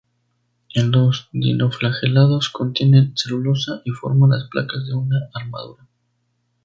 En los dinoflagelados contienen celulosa y forman las placas de una armadura.